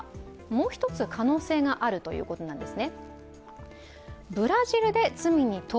もう一つ可能性があるということなんです。